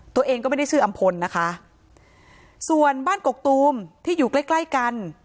ตัวเองก็ไม่ได้ชื่ออำพลนะคะส่วนบ้านกกตูมที่อยู่ใกล้ใกล้กัน